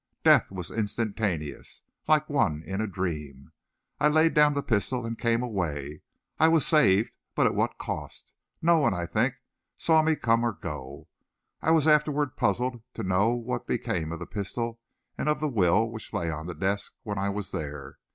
Death was instantaneous. Like one in a dream, I laid down the pistol, and came away. I was saved, but at what a cost! No one, I think, saw me come or go. I was afterward puzzled to know what became of the pistol, and of the will which lay on the desk when I was there.